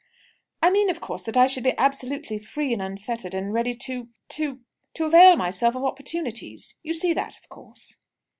"I mean, of course, that I should be absolutely free and unfettered, and ready to to to avail myself of opportunities. You see that, of course?"